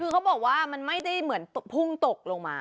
คือเขาบอกว่ามันไม่ได้เหมือนพุ่งตกลงมา